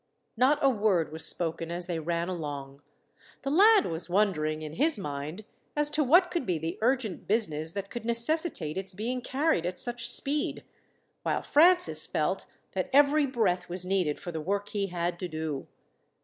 Not a word was spoken as they ran along. The lad was wondering, in his mind, as to what could be the urgent business that could necessitate its being carried at such speed; while Francis felt that every breath was needed for the work he had to do.